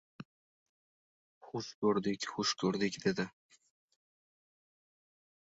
— Xush ko‘rdik, xush ko‘rdik, — dedi.